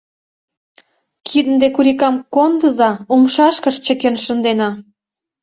— Кинде курикам кондыза, умшашкышт чыкен шындена.